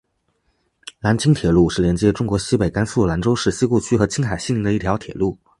兰青铁路是连接中国西北甘肃兰州市西固区和青海西宁的一条铁路。